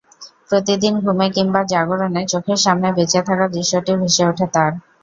প্রতিদিন ঘুমে কিংবা জাগরণে চোখের সামনে বেঁচে থাকার দৃশ্যটি ভেসে ওঠে তাঁর।